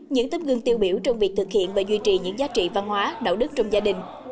những tấm gương tiêu biểu trong việc thực hiện và duy trì những giá trị văn hóa đạo đức trong gia đình